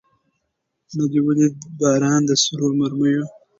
نه دي ولیدی باران د سرو مرمیو